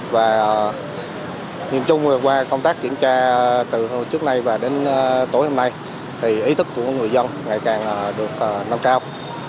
và nhìn chung qua công tác kiểm tra từ hôm trước nay và đến tối hôm nay thì ý thức của người dân ngày càng được nâng cao